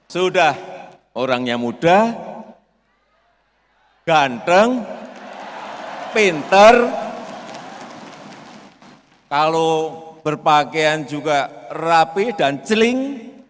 sudah orangnya muda ganteng pinter kalau berpakaian juga rapi dan celing